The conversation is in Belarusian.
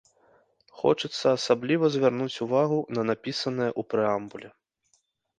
Хочацца асабліва звярнуць увагу на напісанае ў прэамбуле.